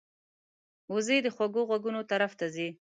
وزې د خوږو غږونو طرف ته ځي